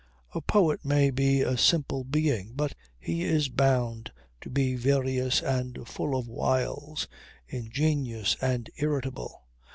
A poet may be a simple being but he is bound to be various and full of wiles, ingenious and irritable.